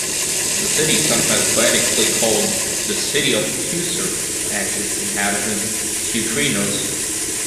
The city is sometimes poetically called "The City of Teucer" and its inhabitants "teucrinos".